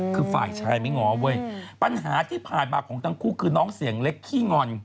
คือฝ่ายชายไม่ง้อเว้ยปัญหาที่ผ่านมาของทั้งคู่คือน้องเสียงเล็กขี้งอน